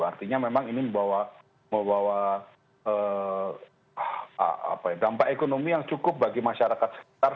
artinya memang ini membawa dampak ekonomi yang cukup bagi masyarakat sekitar